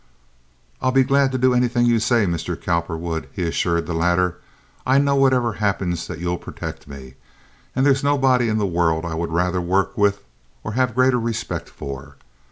"I'll be glad to do anything you say, Mr. Cowperwood," he assured the latter. "I know whatever happens that you'll protect me, and there's nobody in the world I would rather work with or have greater respect for.